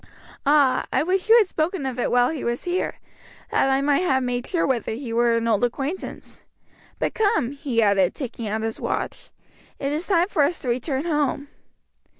"Ah! I wish you had spoken of it while he was here, that I might have made sure whether he were an old acquaintance. But come," he added, taking out his watch, "it is time for us to return home."